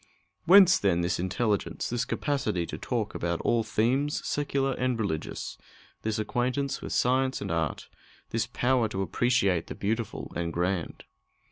Whence, then, this intelligence this capacity to talk about all themes, secular and religious this acquaintance with science and art this power to appreciate the beautiful and grand?